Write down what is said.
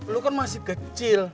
lu kan masih kecil